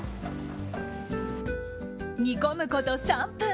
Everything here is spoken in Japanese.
煮込むこと３分。